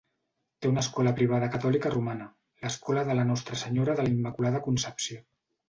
Té una escola privada catòlica romana, l'escola de la Nostra Senyora de la Immaculada Concepció.